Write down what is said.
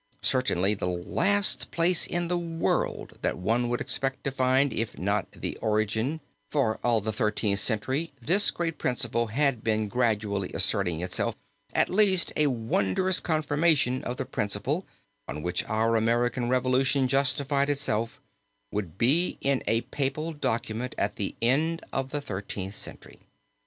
Certainly the last place in the world that one would expect to find if not the origin, for all during the Thirteenth Century this great principle had been gradually asserting itself, at least, a wondrous confirmation of the principle on which our American revolution justified itself, would be in a papal document of the end of the Thirteenth Century.